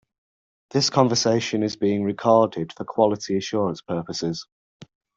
This conversation is being recorded for quality assurance purposes.